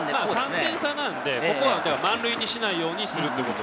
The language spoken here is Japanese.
３点差なんで、ここは満塁にしないようにするって。